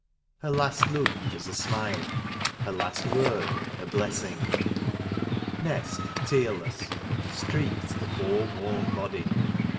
Her last Look was a smile ; her last word a blessing. Nest, tearless, streeked the poor worn body.